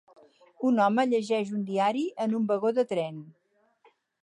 Un home llegeix un diari en un vagó de tren.